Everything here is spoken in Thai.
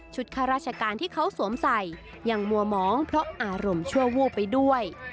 ข้าราชการที่เขาสวมใส่ยังมัวมองเพราะอารมณ์ชั่ววูบไปด้วย